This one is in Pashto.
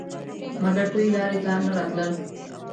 مګر دوی لارې ته نه راتلل.